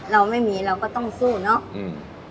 เราไม่มีเราก็ต้องสู้เนาะ